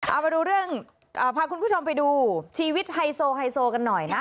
เอามาดูเรื่องพาคุณผู้ชมไปดูชีวิตไฮโซไฮโซกันหน่อยนะ